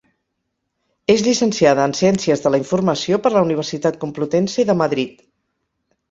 És llicenciada en ciències de la informació per la Universitat Complutense de Madrid.